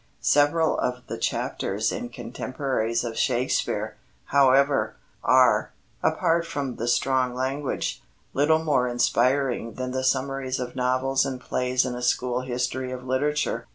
Several of the chapters in Contemporaries of Shakespeare, however, are, apart from the strong language, little more inspiring than the summaries of novels and plays in a school history of literature.